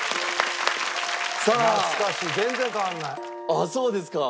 あっそうですか。